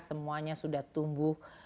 semuanya sudah tumbuh